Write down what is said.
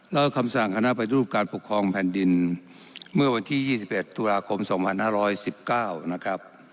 แล้วคำสั่งคณะปฏิรูปการปกครองแผ่นดินเมื่อวันที่๒๑ตุลาคม๒๕๑๙นะครับ